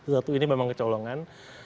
satu ini memang kecolongan